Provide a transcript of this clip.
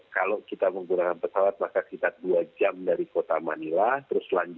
kalau kita menggunakan pesawat maka sekitar dua jam dari kota manila